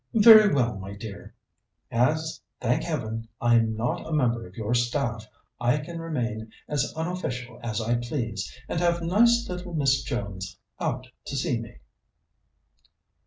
"Very well, my dear. As, thank Heaven, I'm not a member of your staff, I can remain as unofficial as I please, and have nice little Miss Jones out to see me."